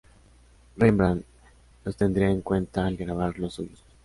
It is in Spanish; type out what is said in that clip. Rembrandt los tendría en cuenta al grabar los suyos.